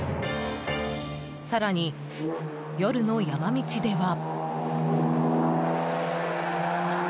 更に、夜の山道では。